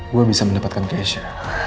gue bisa mendapatkan keisha